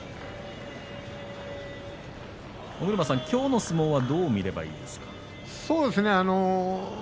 きょうの相撲はどう見ればいいですか？